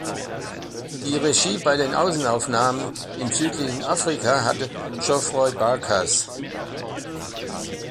Die Regie bei den Außenaufnahmen im südlichen Afrika hatte Geoffrey Barkas.